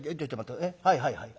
はいはいはい。